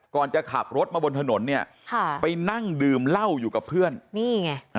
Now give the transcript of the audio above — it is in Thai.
จะขับรถมาบนถนนเนี่ยค่ะไปนั่งดื่มเหล้าอยู่กับเพื่อนนี่ไง